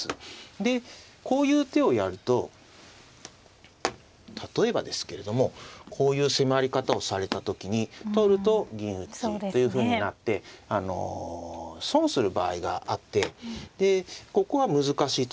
でこういう手をやると例えばですけれどもこういう迫り方をされた時に取ると銀打ちというふうになって損する場合があってここは難しいところでした。